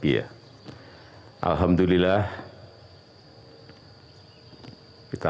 ke left behind indonesia di indonesia